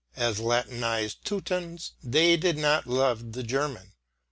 As Latinised Teutons they did not love the German.